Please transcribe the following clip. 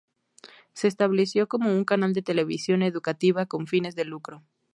Se estableció como un canal de televisión educativa con fines de lucro.